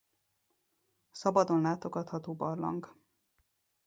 Szabadon látogatható barlang.